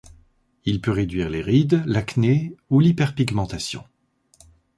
Il peut réduire les rides, l'acné ou l'hyperpigmentation.